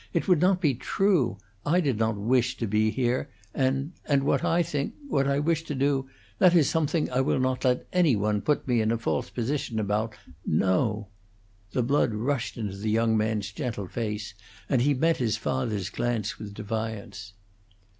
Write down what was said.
It would not be true; I did not wish to be here; and and what I think what I wish to do that is something I will not let any one put me in a false position about. No!" The blood rushed into the young man's gentle face, and he met his father's glance with defiance.